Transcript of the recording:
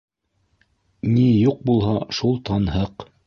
Ни юҡ булһа, шул танһыҡ.